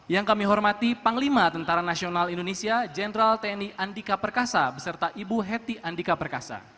yang kami hormati panglima tni jenderal tni andika perkasa beserta ibu heti andika perkasa